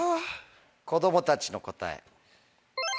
子供たちの答え。